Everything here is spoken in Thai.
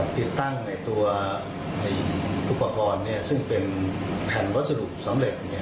ติดตั้งในตัวอุปกรณ์ซึ่งเป็นแผ่นวัสดุสำเร็จ